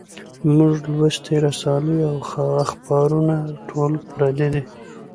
مونږ لوستي رسالې او اخبارونه ټول پردي دي